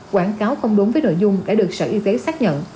quảng cáo không đúng với nội dung đã được sở y tế xác nhận